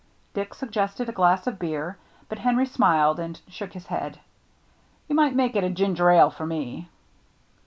Dick suggested a glass of beer, but Henry smiled and shook his head. "You might make it ginger ale for me."